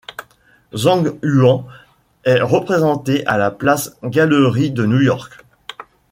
Zhang Huan est représenté à la Pace Gallery de New York.